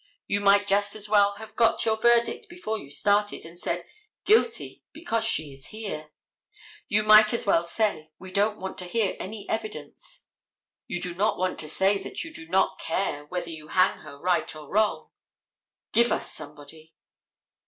You might just as well have got your verdict before you started, and said, "Guilty, because she is here." You might as well say, "We don't want to hear any evidence." You do not want to say that you do not care whether you hang her right or wrong,—"give us somebody."